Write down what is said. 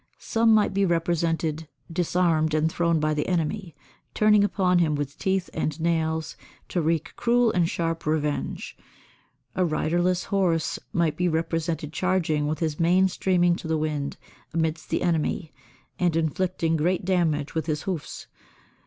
Some might be represented disarmed and thrown by the enemy, turning upon him with teeth and nails to wreak cruel and sharp revenge; a riderless horse might be represented charging with his mane streaming to the wind amidst the enemy, and inflicting great damage with his hoofs.